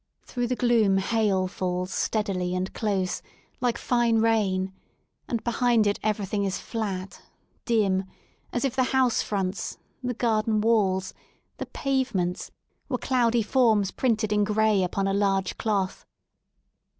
Through the gloom hail falls steadily and close, like fine rain, and behind it everything is flat, dim, as if the house fronts, the garden walls, the pavements, were cloudy forms printed in gray upon a large cloth.